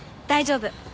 大丈夫。